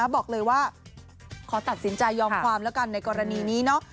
บอกเลยว่าขอตัดสินใจยอมความแล้วกันในกรณีนี้เนาะ